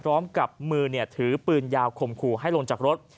พร้อมกับมือถือปืนยาวข่มขู่ให้ลงจากรถ